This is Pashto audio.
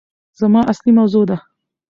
زما اصلي موضوع ده